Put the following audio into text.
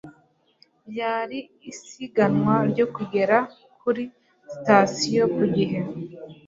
Byari isiganwa ryo kugera kuri sitasiyo ku gihe.